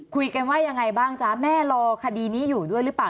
คุยกันว่ายังไงบ้างจ๊ะแม่รอคดีนี้อยู่ด้วยหรือเปล่า